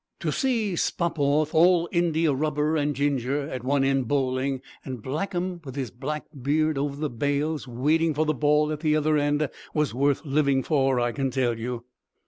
To see Spofforth, all india rubber and ginger, at one end bowling, and Blackham, with his black beard over the bails waiting for the ball at the other end, was worth living for, I can tell you."